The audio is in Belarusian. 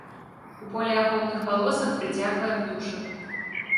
У полеахоўных палосах прыцягвае птушак.